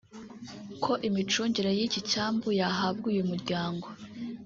ko imicungire y’iki cyambu yahabwa uyu muryango